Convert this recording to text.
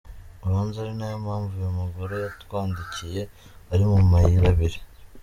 Ubanza ari nayo mpamvu uyu mugore yatwandikiye ari mu mayirabiri.